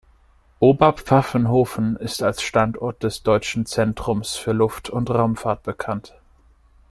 Oberpfaffenhofen ist als Standort des Deutschen Zentrums für Luft- und Raumfahrt bekannt.